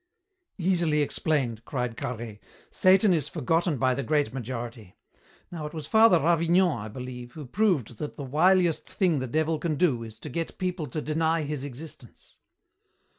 "Easily explained!" cried Carhaix. "Satan is forgotten by the great majority. Now it was Father Ravignan, I believe, who proved that the wiliest thing the Devil can do is to get people to deny his existence."